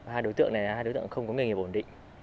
hai đối tượng này hai đối tượng không có nghề nghiệp ổn định